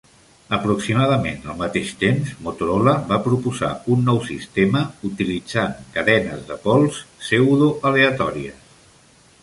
Aproximadament al mateix temps, Motorola va proposar un nou sistema utilitzant cadenes de pols pseudoaleatòries.